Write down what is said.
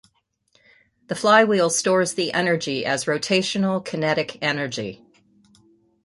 The flywheel stores the energy as rotational kinetic energy.